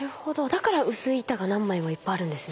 だから薄い板が何枚もいっぱいあるんですね。